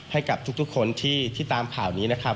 ให้กับทุกคนที่ตามข่าวนี้นะครับ